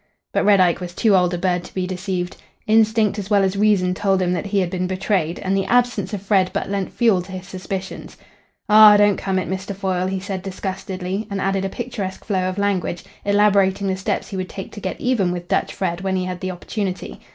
But Red Ike was too old a bird to be deceived. Instinct, as well as reason, told him that he had been betrayed, and the absence of Fred but lent fuel to his suspicions. "Aw don't come it, Mr. Foyle," he said disgustedly, and added a picturesque flow of language, elaborating the steps he would take to get even with Dutch Fred when he had the opportunity.